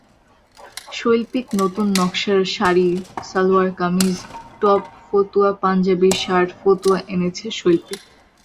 শৈল্পিকনতুন নকশার শাড়ি, সালোয়ার কামিজ, টপ, ফতুয়া, পাঞ্জাবি, শার্ট, ফতুয়া এনেছে শৈল্পিক।